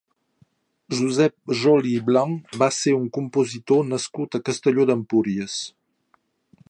Josep Joli i Blanch va ser un compositor nascut a Castelló d'Empúries.